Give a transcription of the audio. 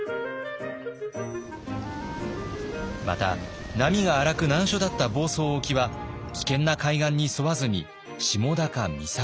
また波が荒く難所だった房総沖は危険な海岸に沿わずに下田か三崎へ。